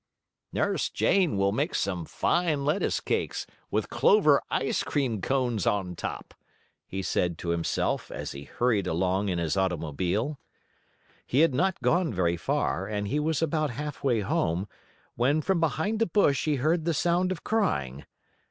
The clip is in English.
"Nurse Jane will make some fine lettuce cakes, with clover ice cream cones on top," he said to himself, as he hurried along in his automobile. He had not gone very far, and he was about halfway home, when from behind a bush he heard the sound of crying.